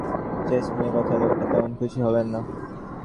কিন্তু খেয়াল করে দেখলাম, জেসমিনের কথায় লোকটা তেমন খুশি হলেন না।